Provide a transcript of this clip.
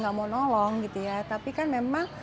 nggak mau nolong gitu ya tapi kan memang